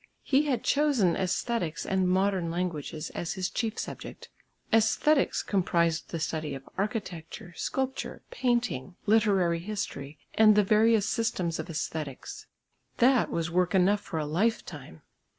He had chosen æsthetics and modern languages as his chief subject. Æsthetics comprised the study of Architecture, Sculpture, Painting, Literary History and the various systems of æsthetics. That was work enough for a lifetime.